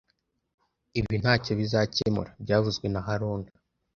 Ibi ntacyo bizakemura byavuzwe na haruna